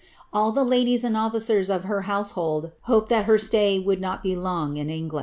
* All the ladies and officers ^her household hoped that her stay would not be long in England."